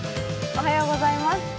おはようございます。